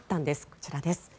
こちらです。